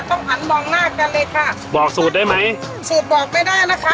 หันมองหน้ากันเลยค่ะบอกสูตรได้ไหมสูตรบอกไม่ได้นะคะ